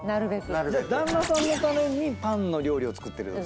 じゃ旦那さんのためにパンの料理を作ってるんですか？